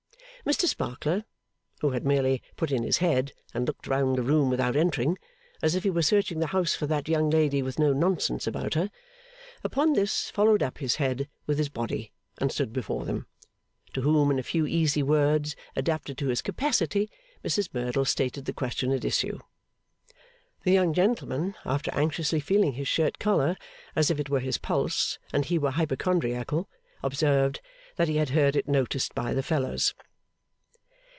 Mr Sparkler, who had merely put in his head and looked round the room without entering (as if he were searching the house for that young lady with no nonsense about her), upon this followed up his head with his body, and stood before them. To whom, in a few easy words adapted to his capacity, Mrs Merdle stated the question at issue. The young gentleman, after anxiously feeling his shirt collar as if it were his pulse and he were hypochondriacal, observed, 'That he had heard it noticed by fellers.